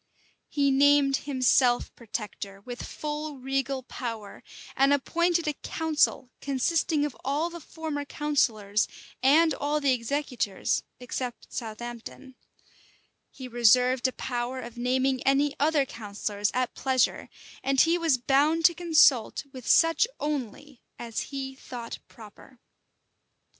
He named himself protector with full regal power, and appointed a council, consisting of all the former counsellors, and all the executors, except Southampton; he reserved a power of naming any other counsellors at pleasure; and he was bound to consult with such only as he thought proper.